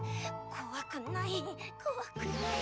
こわくないこわくない。